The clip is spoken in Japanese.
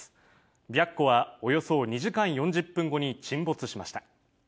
白虎はおよそ２時間４０分後に沈没しました。